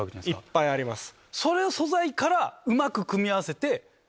いっぱいあります。